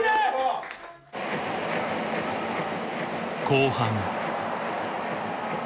後半。